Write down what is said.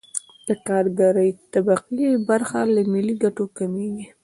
د کارګرې طبقې برخه له ملي ګټو کمېږي